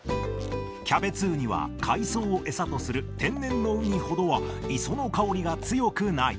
キャベツウニは海藻を餌とする天然のウニほどは磯の香りが強くない。